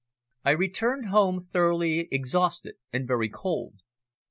I returned home thoroughly exhausted and very cold.